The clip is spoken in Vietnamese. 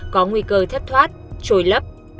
có nguy cơ thất thoát trôi lấp